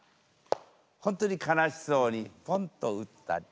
本当に悲しそうにポンと打ったり。